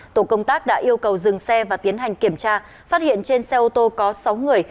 tổ công tác đã yêu cầu dừng xe và tiến hành kiểm tra phát hiện trên xe ô tô có sáu người